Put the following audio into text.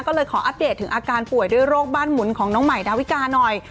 ก็เลยขออัปเดตถึงอาการป่วยด้วยโรคบ้านหมุนของน้องใหม่ดาวิกาหน่อย